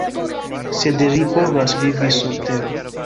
Sed ri povas vivi sur tero.